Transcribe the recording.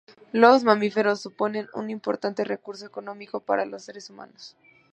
Los mamíferos suponen un importante recurso económico para los seres humanos.